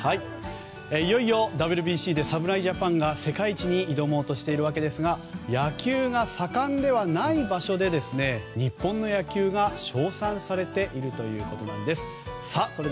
いよいよＷＢＣで侍ジャパンが世界一に挑もうとしてるわけですが野球が盛んではない場所で日本の野球が称賛されているということです。